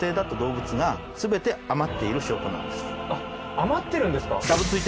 余ってるんですか。